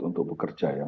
untuk bekerja ya